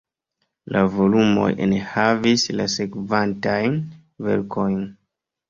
La volumoj enhavis la sekvantajn verkojn.